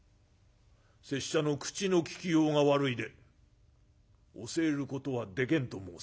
拙者の口の利きようが悪いで教えることはでけんと申すか？」。